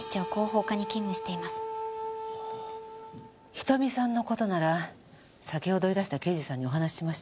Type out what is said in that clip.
瞳さんの事なら先ほどいらした刑事さんにお話ししましたけど。